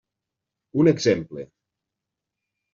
Un exemple.